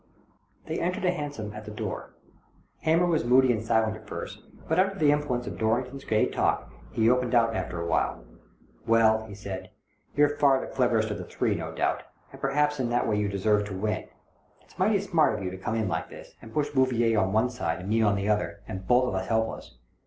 They entered a hansom at the door. Hamer was moody and silent at first, but under the influence of Dorrington' s gay talk he opened out after a while. "Well," he said, "you're far the cleverest of the three, no doubt, and perhaps in that way you deserve to win. It's mighty smart for you to come in like this, and push Bouvier on r * 142 THE DOBBINGTON DEED BOX one side and me on the other, and both of us helpless.